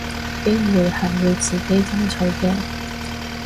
機會係要自己爭取嘅